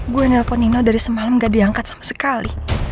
gue nelpon nino dari semalam gak diangkat sama sekali